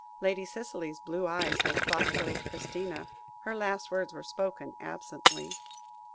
Lady Cicely's blue eyes looked thoughtfully at Christina, her last words were spoken absently.